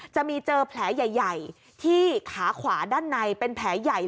เจอแผลใหญ่ที่ขาขวาด้านในเป็นแผลใหญ่